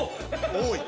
・多い！